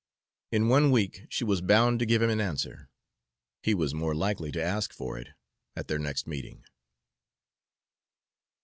In one week she was bound to give him an answer; he was more likely to ask for it at their next meeting.